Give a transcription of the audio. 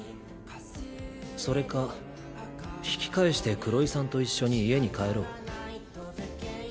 それか引き返して黒井さんと一緒に家に帰ろう。